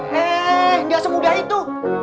hei gak semudah itu